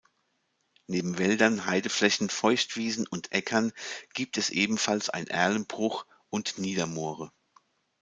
Neben Wäldern, Heideflächen, Feuchtwiesen und Äckern gibt es ebenfalls ein Erlenbruch und Niedermoore.